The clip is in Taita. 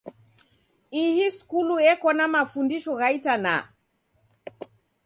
Ihii skulu eko na mafundisho gha itanaa.